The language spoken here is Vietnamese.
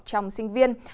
trong sinh viên